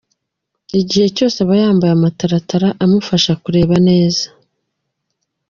Igihe cyose aba yambaye amataratara amufasha kureba neza.